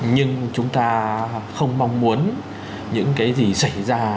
nhưng chúng ta không mong muốn những cái gì xảy ra